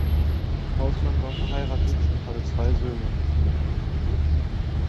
Hausmann war verheiratet und hatte zwei Söhne.